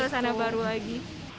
ada yang baru lagi